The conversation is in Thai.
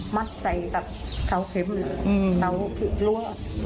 มัดใส่แบบเทาเข็มแบบเทาที่รั้ว